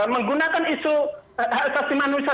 menggunakan isu hak asasi manusia